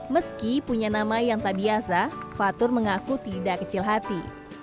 meski punya nama yang tak biasa fatur mengaku tidak kecil hati